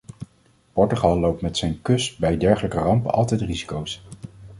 Portugal loopt met zijn kust bij dergelijke rampen altijd risico's.